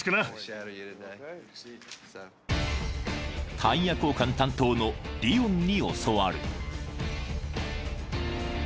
［タイヤ交換担当のディオンに教わる］